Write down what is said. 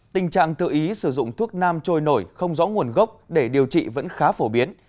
tình trạng tự ý sử dụng thuốc nam trôi nổi không rõ nguồn gốc để điều trị vẫn khá phổ biến